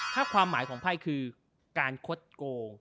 ถ้าความหมายของไพ่คือการคดโกง